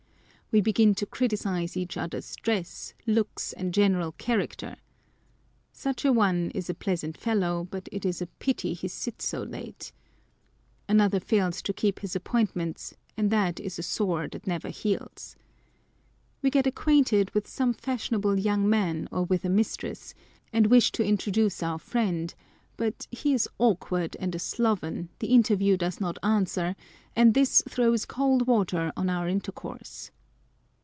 We begin to criticise each other's dress, looks, and general character. " Such a one is a pleasant fellow, but it is a pity he sits so late !"' Another fails to keep his appointments, and that is a sore that never heals. We get acquainted with some fashion able young men or with a mistress, and wish to introduce our friend ; but he is awkward and a sloven, the interview does not answer, and this throws cold water on our inter course.